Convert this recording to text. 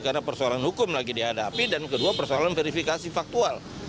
karena persoalan hukum lagi dihadapi dan kedua persoalan verifikasi faktual